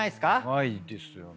長いですよね。